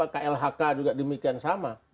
klhk juga demikian sama